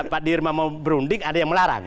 pak dirma mau berunding ada yang melarang